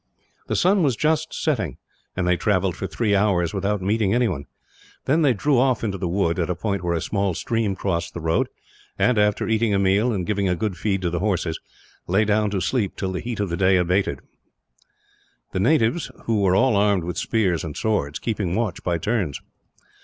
The sun was just rising, and they travelled for three hours without meeting anyone; then they drew off into the wood, at a point where a small stream crossed the road and, after eating a meal, and giving a good feed to the horses, lay down to sleep till the heat of the day abated the natives, who were all armed with spears and swords, keeping watch by turns.